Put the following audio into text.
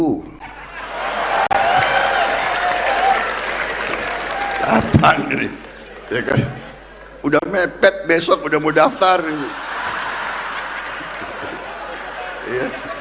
hai apaan ini tekan udah mepet besok udah mau daftar ini